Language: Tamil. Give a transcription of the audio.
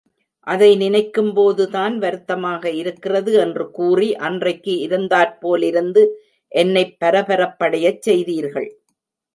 அதை நினைக்கும்போதுதான் வருத்தமாக இருக்கிறது என்று கூறி அன்றைக்கு இருந்தாற் போலிருந்து என்னைப் பரபரப்படையச் செய்தீர்கள்.